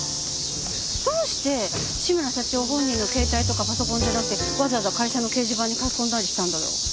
どうして志村社長本人の携帯とかパソコンじゃなくてわざわざ会社の掲示板に書き込んだりしたんだろう？